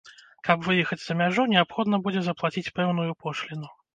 Каб выехаць за мяжу, неабходна будзе заплаціць пэўную пошліну.